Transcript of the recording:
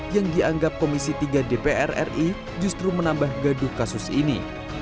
yang dianggap komisi tiga dpr ri justru menambah gaduh kasus ini